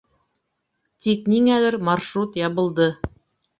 Тик ниңәлер маршрут ябылды.